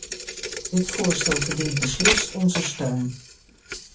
Dit voorstel verdient beslist onze steun.